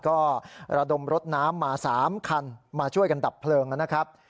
ก็ระดมรถน้ำมา๓คันมาช่วยกันดับเพลิงนะครับ